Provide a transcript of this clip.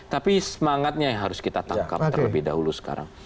tapi semangatnya yang harus kita tangkap terlebih dahulu sekarang